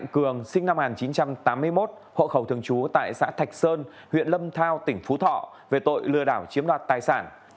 hội khẩu thường trú tại xã thạch sơn huyện lâm thao tỉnh phú thọ về tội lừa đảo chiếm đoạt tài sản